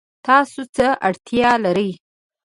تاسو څه اړتیا لرئ؟